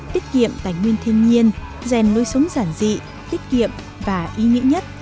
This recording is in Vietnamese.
tiết kiệm tài nguyên thiên nhiên dèn lôi sống giản dị tiết kiệm và ý nghĩa nhất